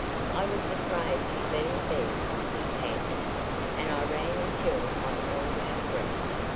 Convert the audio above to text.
"I was afraid you'd be in bed," he panted, "and I ran until I'm all out of breath."